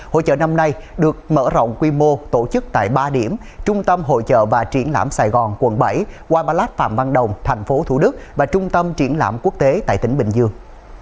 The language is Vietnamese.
hội trợ năm nay được mở rộng quy mô tổ chức tại ba điểm trung tâm hội trợ và triển lãm sài gòn quận bảy wilat phạm văn đồng tp thủ đức và trung tâm triển lãm quốc tế tại tỉnh bình dương